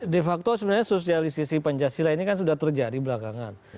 de facto sebenarnya sosialisasi pancasila ini kan sudah terjadi belakangan